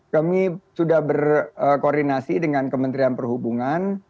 kami sudah berkoordinasi dengan kementerian perhubungan